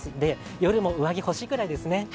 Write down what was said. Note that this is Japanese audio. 夜も上着欲しいくらいですね。